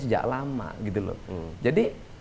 sejak lama jadi